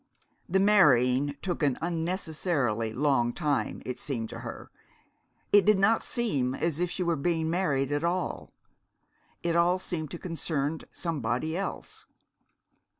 The marrying took an unnecessarily long time, it seemed to her. It did not seem as if she were being married at all. It all seemed to concern somebody else.